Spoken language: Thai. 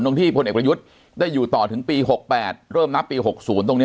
ที่พลเอกประยุทธ์ได้อยู่ต่อถึงปี๖๘เริ่มนับปี๖๐ตรงนี้